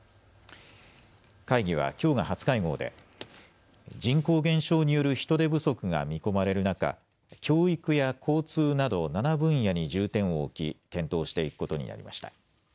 会議はきょうが初会合で人口減少による人手不足が見込まれる中、教育や交通など７分野に重点を置き検討していくことになりました。